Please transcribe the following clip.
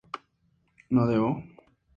¿no bebo?